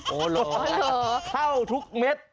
โหเหร่เข้าทุกเม็ด